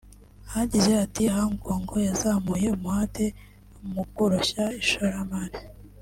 yagize ati″ Hong Kong yazamuye umuhate mu koroshya ishoramari